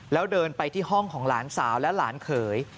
แล้วเดินไปที่ห้องของหลานสาวและหลานเขย